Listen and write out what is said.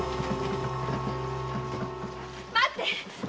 待って！